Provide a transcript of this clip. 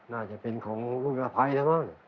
น่าจะเป็นของลูกอภัยนะบ้าง